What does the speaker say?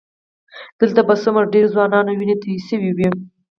دلته به څومره ډېرو ځوانانو وینې تویې شوې وي.